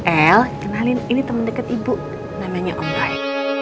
el kenalin ini temen deket ibu namanya om rai